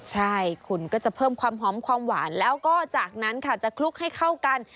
ใช่คุณก็จะเพิ่มความหอมความหวานแล้วก็จากนั้นค่ะจะคลุกให้เข้ากัน